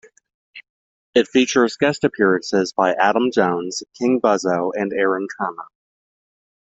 It features guest appearances by Adam Jones, King Buzzo, and Aaron Turner.